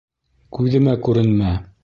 Күҙемә күренмә!..